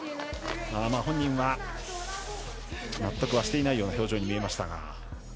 本人は納得はしていないように見えました。